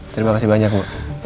terima kasih banyak bu